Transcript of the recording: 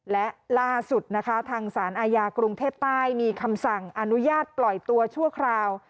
และล่าสุดนะคะทางสารอาญากรุงเทพใต้มีคำสั่งอนุญาตปล่อยตัวชั่วคราว